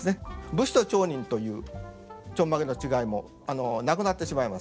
武士と町人というちょんまげの違いもなくなってしまいます。